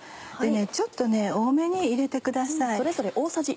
ちょっと多めに入れてください。